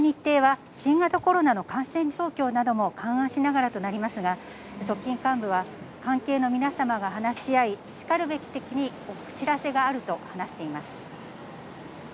ご結婚に向けた具体的な日程は新型コロナの感染状況なども勘案しながらとなりますが、側近幹部は関係の皆様が話し合い、しかるべき時にお知らせがあると話しています。